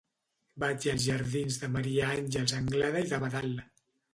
Vaig als jardins de Maria Àngels Anglada i d'Abadal.